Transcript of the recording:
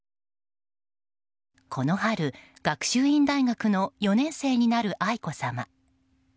この春、学習院大学の４年生になる愛子さま。